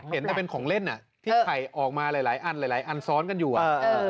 เห็นแต่เป็นของเล่นอ่ะที่ไข่ออกมาหลายอันหลายอันซ้อนกันอยู่อ่ะ